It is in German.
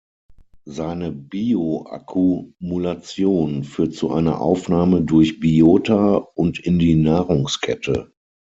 Seine Bioakkumulation führt zu einer Aufnahme durch Biota und in die Nahrungskette.